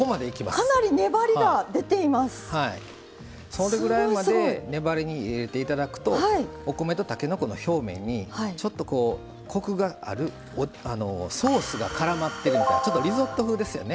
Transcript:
それぐらいまで粘り入れていただくとお米とたけのこの表面にちょっとコクがあるソースがからまってるみたいなちょっとリゾット風ですよね。